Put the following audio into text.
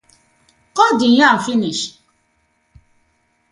Kot de yam finish.